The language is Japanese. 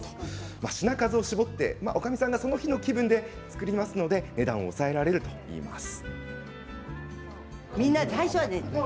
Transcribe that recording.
品数を絞って、おかみさんがその日の気分で作るため値段を抑えられるといいます。